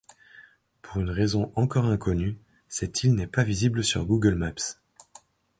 Pour une raison encore inconnue, cette île n'est pas visible sur Google Maps.